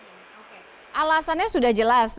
oke alasannya sudah jelas